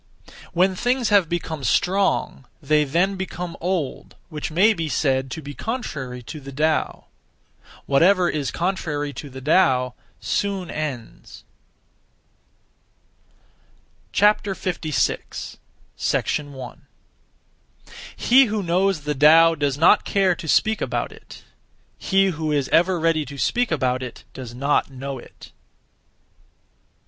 When things have become strong, they (then) become old, which may be said to be contrary to the Tao. Whatever is contrary to the Tao soon ends. 56. 1. He who knows (the Tao) does not (care to) speak (about it); he who is (ever ready to) speak about it does not know it.